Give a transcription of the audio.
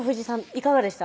いかがでした？